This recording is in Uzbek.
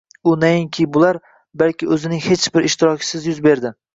U nainki bular, balki o’zining hech bir ishtirokisiz yuz berdi.